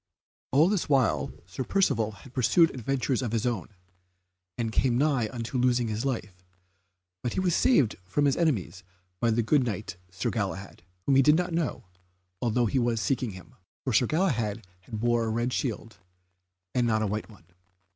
All this while Sir Percivale had pursued adventures of his own, and came nigh unto losing his life, but he was saved from his enemies by the good Knight, Sir Galahad, whom he did not know, although he was seeking him, for Sir Galahad now bore a red shield, and not a white one.